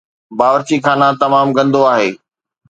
باورچی خانه تمام گندو آهي